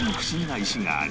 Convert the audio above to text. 石がある。